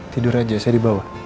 tidur aja saya di bawah